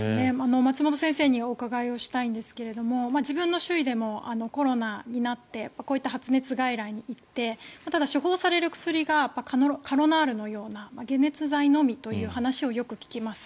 松本先生にお伺いをしたいんですが自分の周囲でもコロナになってこういった発熱外来に行ってただ、処方される薬がカロナールのような解熱剤のみという話をよく聞きます。